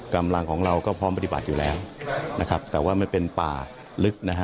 กำลังของเราก็พร้อมปฏิบัติอยู่แล้วนะครับแต่ว่ามันเป็นป่าลึกนะฮะ